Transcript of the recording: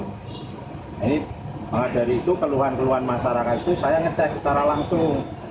nah maka dari itu keluhan keluhan masyarakat itu saya ngecek secara langsung